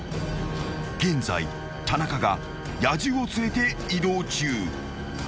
［現在田中が野獣を連れて移動中］